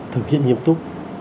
thực hiện nghiêm túc